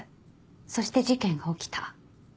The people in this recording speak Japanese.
そして事件が起きた。